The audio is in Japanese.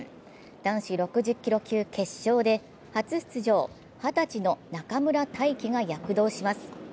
男子６０ｋｇ級決勝で初出場、二十歳の中村太樹が躍動します。